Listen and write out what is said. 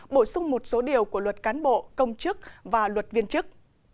bổ sung một số điều của luật cán bộ công chức và luật viên chức